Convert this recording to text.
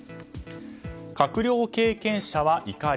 閣僚経験者は怒り。